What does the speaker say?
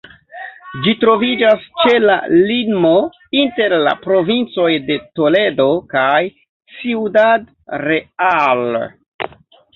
Ĝi troviĝas ĉe la limo inter la provincoj de Toledo kaj Ciudad Real.